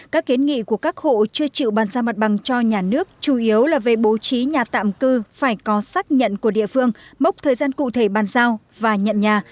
các kiến nghị của các hộ chưa chịu bàn giao mặt bằng cho nhà nước chủ yếu là về bố trí nhà tạm cư phải có xác nhận của địa phương mốc thời gian cụ thể bàn giao và nhận nhà